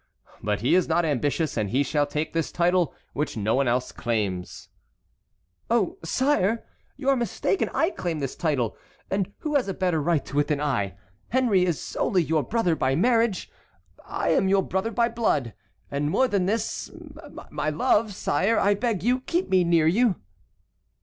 But he is not ambitious and he shall take this title which no one else claims." "Oh, sire! you are mistaken. I claim this title, and who has a better right to it than I? Henry is only your brother by marriage. I am your brother by blood, and more than this, my love—Sire, I beg you, keep me near you."